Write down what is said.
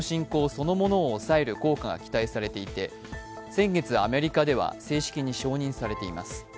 そのものを抑える効果が期待されていて先月、アメリカでは正式に承認されています。